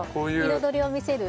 彩りを見せる。